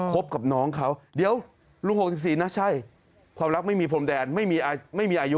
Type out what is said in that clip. บกับน้องเขาเดี๋ยวลุง๖๔นะใช่ความรักไม่มีพรมแดนไม่มีอายุ